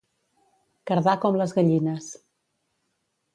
Cardar com les gallines.